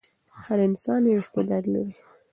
هر انسان یو استعداد لري.